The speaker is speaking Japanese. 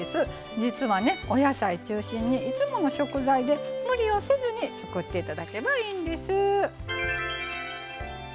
実は、お野菜中心にいつもの食材で無理をせずに作っていただければいいんです。